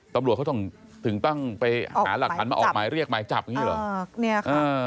ตำรวจเขาต้องถึงต้องไปหาหลักฐานมาออกหมายเรียกหมายจับอย่างนี้เหรอ